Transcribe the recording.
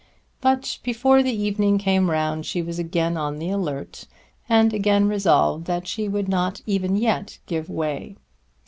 But before the evening came round she was again on the alert, and again resolved that she would not even yet give way.